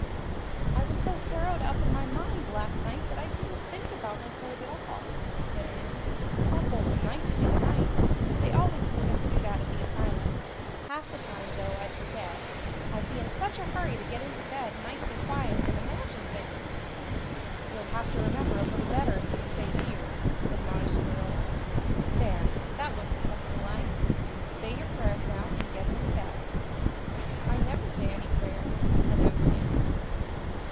"I was so harrowed up in my mind last night that I didn't think about my clothes at all," said Anne. "I'll fold them nicely tonight. They always made us do that at the asylum. Half the time, though, I'd forget, I'd be in such a hurry to get into bed nice and quiet and imagine things." "You'll have to remember a little better if you stay here," admonished Marilla. "There, that looks something like. Say your prayers now and get into bed." "I never say any prayers," announced Anne.